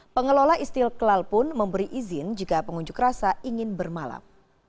pengelola istiqlal pun memberi izin jika pengunjuk rasa ingin bermalam